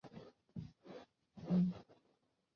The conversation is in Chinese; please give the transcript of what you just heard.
西班牙帝国和智利都督用它作为其领土的南部边界。